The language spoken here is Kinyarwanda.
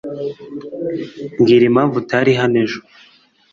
mbwira impamvu utari hano ejo